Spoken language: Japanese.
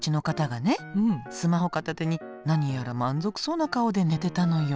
スマホ片手に何やら満足そうな顔で寝てたのよ。